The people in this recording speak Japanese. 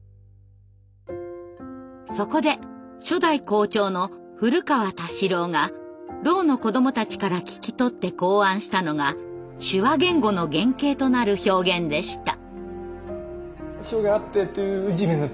そこで初代校長の古河太四郎がろうの子どもたちから聞き取って考案したのが手話言語の原型となる表現でした。